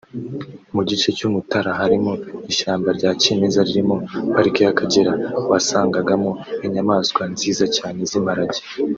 mu gice cy’umutara harimo ishyamba rya kimeza ririmo parike y’Akagera wasangagamo inyamaswa nziza cyane z’Imparage